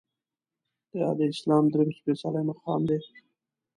دا د اسلام درېیم سپیڅلی مقام دی.